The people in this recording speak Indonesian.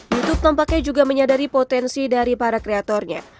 youtube tampaknya juga menyadari potensi dari para kreatornya